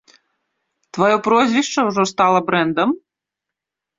Тваё прозвішча ўжо стала брэндам?